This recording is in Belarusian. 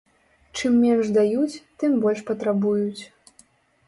Чым менш даюць, тым больш патрабуюць.